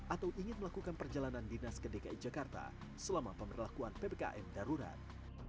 atau ingin melakukan perjalanan dinas ke dki jakarta selama pemberlakuan ppkm darurat